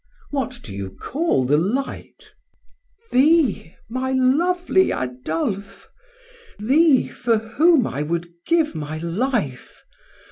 "What do you call the light?" "Thee, my lovely Adolphe! Thee, for whom I would give my life.